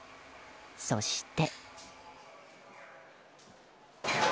そして。